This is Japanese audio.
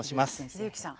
秀幸さん。